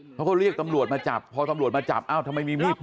พระบาทเขาเรียกตำรวจมาจับพอตำรวจมาจับอ้าว